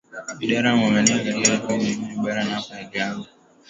Idara ya muunganiko wa Taifa na Naibu Katibu Mkuu wa Tanzania baraNape alianza